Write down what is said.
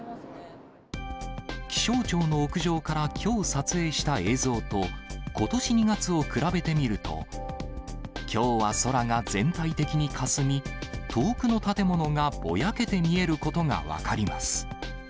気象庁の屋上からきょう撮影した映像と、ことし２月を比べてみると、きょうは空が全体的にかすみ、遠くの建物がぼやけて見えることが分かります。